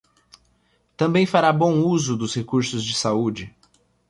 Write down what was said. Também fará bom uso dos recursos de saúde.